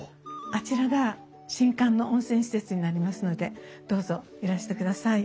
あちらが新館の温泉施設になりますのでどうぞいらしてください。